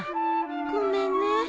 ごめんね。